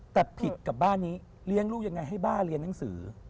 แต่ผิดกับบ้านนี้เลี้ยงลูกยังไงให้บ้าเรียนหนังสือ